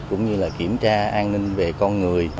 cũng như là kiểm tra an ninh về con người